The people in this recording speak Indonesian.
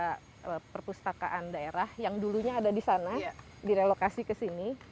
gedung panjang ini empat belas lantai fungsinya ada perpustakaan daerah yang dulunya ada di sana direlokasi ke sini